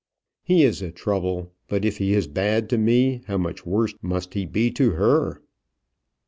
"He is a trouble; but if he is bad to me, how much worse must he be to her?"